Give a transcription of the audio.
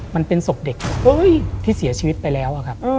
มันเป็นศพเด็กที่เสียชีวิตไปแล้วครับ